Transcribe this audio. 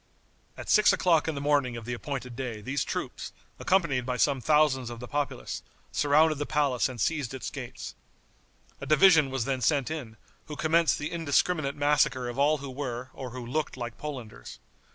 At six o'clock in the morning of the appointed day these troops, accompanied by some thousands of the populace, surrounded the palace and seized its gates. A division was then sent in, who commenced the indiscriminate massacre of all who were, or who looked like Polanders.